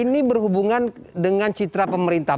ini berhubungan dengan citra pemerintah